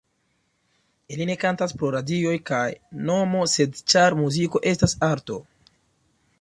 Ili ne kantas pro radioj kaj nomo sed ĉar muziko estas arto.